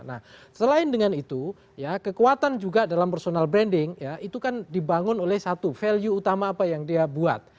nah selain dengan itu ya kekuatan juga dalam personal branding ya itu kan dibangun oleh satu value utama apa yang dia buat